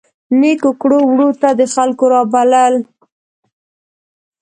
نیکو کړو وړو ته د خلکو رابلل.